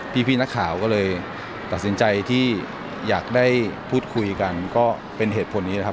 พี่นักข่าวก็เลยตัดสินใจที่อยากได้พูดคุยกันก็เป็นเหตุผลนี้นะครับ